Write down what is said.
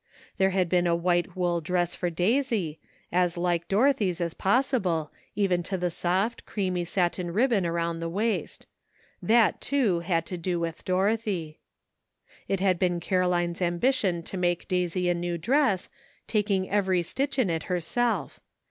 There had been a white wool dress for Daisy, as like Dorothy's as possible, even to the soft, creamy satin ribbon around the waist. That, too, had to do with Dorothy. It had been Caroline's ambition to make Daisy a new dress, taking every stitch in it herself.